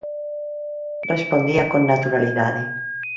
Respondía con naturalidade.